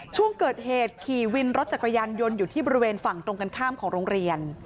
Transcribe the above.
ช่วงเกิดเหตุขี่วินรถจักรยานยนต์อยู่ที่บริเวณฝั่งตรงกันข้ามของโรงเรียน